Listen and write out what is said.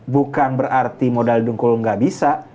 bukan berarti modal dengkul nggak bisa